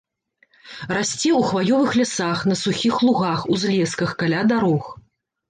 Расце ў хваёвых лясах, на сухіх лугах, узлесках, каля дарог.